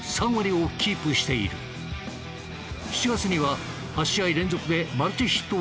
７月には８試合連続でマルチヒットを達成。